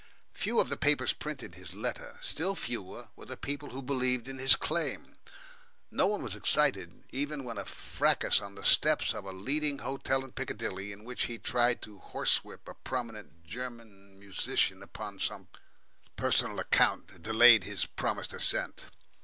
Few of the papers printed his letter, still fewer were the people who believed in his claim. No one was excited even when a fracas on the steps of a leading hotel in Piccadilly, in which he tried to horse whip a prominent German musician upon some personal account, delayed his promised ascent.